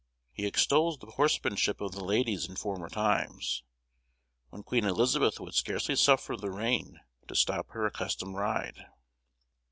He extols the horsemanship of the ladies in former times, when Queen Elizabeth would scarcely suffer the rain to stop her accustomed ride.